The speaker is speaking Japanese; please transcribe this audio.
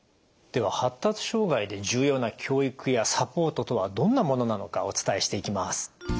では発達障害で重要な教育やサポートとはどんなものなのかお伝えしていきます。